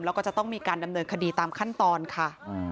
แล้วก็จะต้องมีการดำเนินคดีตามขั้นตอนค่ะ